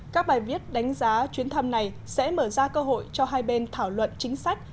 các bài viết đánh giá chuyến thăm này sẽ mở ra cơ hội cho hai bên thảo luận chính sách